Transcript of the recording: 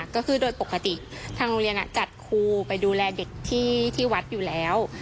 ก็คือโดยปกติทางโรงเรียนจัดครูไปดูแลเด็กที่วัดอยู่แล้ว